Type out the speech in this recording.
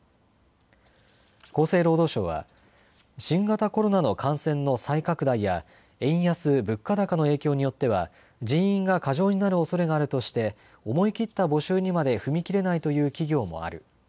厚生労働省は、新型コロナの感染の再拡大や円安・物価高の影響によっては人員が過剰になるおそれがあるとして思い切った募集にまで踏み切れないという企業もある。